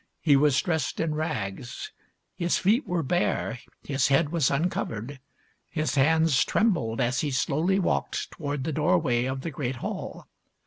He was dressed in rags ; his feet were bare, his head was uncovered, his hands trembled as he slowly walked toward the doorway of the great hall.